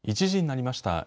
１時になりました。